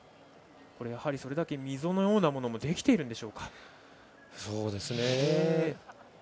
やはり、それだけ溝のようなものもできているんでしょうか。